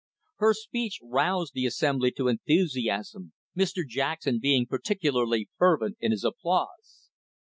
Her speech roused the assembly to enthusiasm, Mr Jackson being particularly fervent in his applause.